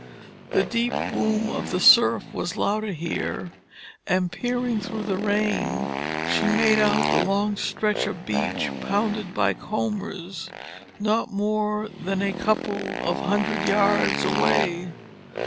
The deep boom of the surf was louder here, and peering through the rain, she made out the long stretch of beach pounded by combers, not more than a couple of hundred yards away.